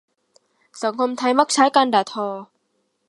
สังคมไทยมักใช้การด่าทอ